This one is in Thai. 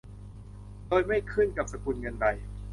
โดยไม่ขึ้นกับสกุลเงินใด